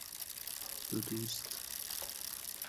دو دوست